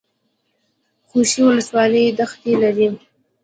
خوشي ولسوالۍ دښتې لري؟